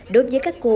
đối với các cô